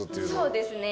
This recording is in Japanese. そうですね。